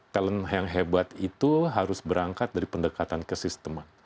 talent yang hebat itu harus berangkat dari pendekatan ke sistem